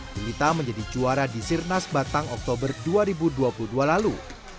lilita menjadi juara di sirnas batang oktober dua ribu dua puluh dua lalu